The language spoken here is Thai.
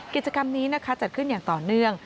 กิจกรรมนี้นะคะจัดขึ้นอย่างต่อเนื่อง